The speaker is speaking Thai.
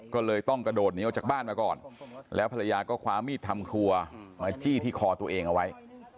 ก็เลยต้องกระโดดหนีออกจากบ้านมาก่อนแล้วภรรยาก็คว้ามีดทำครัวมาจี้ที่คอตัวเองเอาไว้